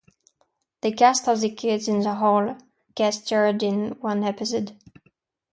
The cast of "The Kids in the Hall" guest-starred in one episode.